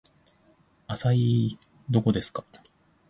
アサイーどこですか